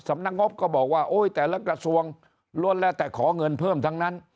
สำนักงบก็บอกว่าโอ้ยแต่ละกระทรวงล้วนแล้วแต่ขอเงินเพิ่มทั้งนั้น